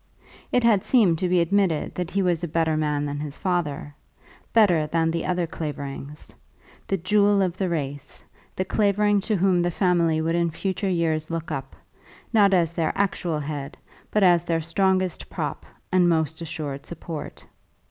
It had seemed to be admitted that he was a better man than his father, better than the other Claverings, the jewel of the race, the Clavering to whom the family would in future years look up, not as their actual head, but as their strongest prop and most assured support.